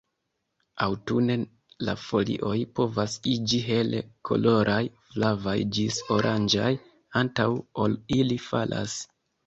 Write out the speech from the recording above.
Aŭtune la folioj povas iĝi hele koloraj, flavaj ĝis oranĝaj, antaŭ ol ili falas.